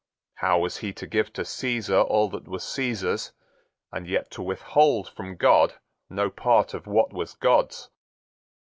How was he to give to Caesar all that was Caesar's, and yet to withhold from God no part of what was God's?